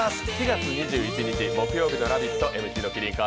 ４月２１日木曜日の「ラヴィット！」